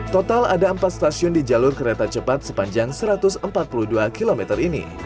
total ada empat stasiun di jalur kereta cepat sepanjang satu ratus empat puluh dua km ini